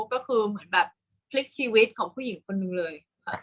ก็คือเหมือนแบบพลิกชีวิตของผู้หญิงคนนึงเลย